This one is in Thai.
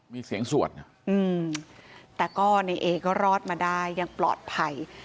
มีเสียงสวดนะแต่ก็ในเอก็รอดมาได้ยังปลอดภัย